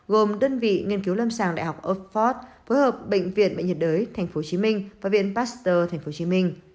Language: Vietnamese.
gồm đơn vị nghiên cứu lâm sàng đại học oxford phối hợp bệnh viện bệnh nhiệt đới tp hcm và viện pasteur tp hcm